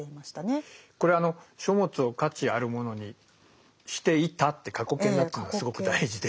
これあの「書物を価値あるものにしていた」って過去形になってるのがすごく大事で。